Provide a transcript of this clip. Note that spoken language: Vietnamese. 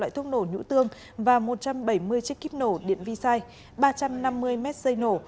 thuốc nổ nhũ tương và một trăm bảy mươi chiếc kíp nổ điện vi sai ba trăm năm mươi mét dây nổ